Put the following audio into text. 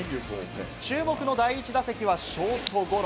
注目の第１打席はショートゴロ。